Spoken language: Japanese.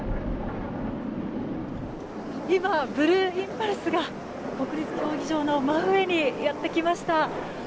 今、ブルーインパルスが国立競技場の真上にやってきました。